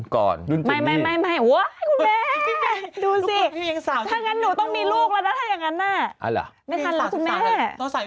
ตอนนี้ก็จะแต่งงาน